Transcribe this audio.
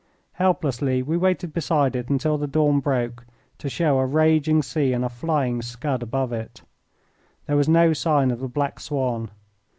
Helplessly we waited beside it until the dawn broke, to show a raging sea and a flying scud above it. There was no sign of the Black Swan.